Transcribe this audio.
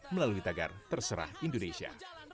melalui tagar terserah indonesia